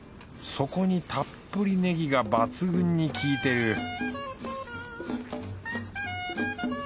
そこにたっぷりネギが抜群に効いてる